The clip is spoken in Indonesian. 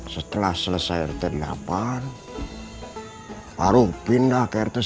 setelah selesai rt delapan baru pindah ke rt satu